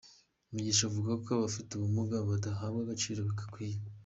Mugisha avuga ko abafite ubumuga badahabwa agaciro gakwiye.